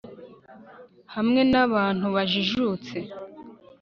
Hamwe nabantu bajijutse